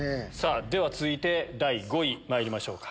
続いて第５位まいりましょうか。